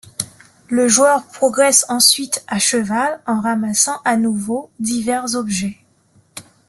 Le joueur progresse ensuite à cheval en ramassant à nouveau divers objets.